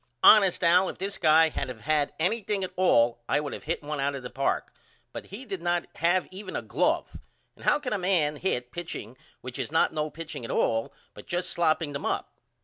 Honest Al if this guy had of had anything at all I would of hit 1 out of the park, but he did not have even a glove. And how can a man hit pitching which is not no pitching at all but just slopping them up?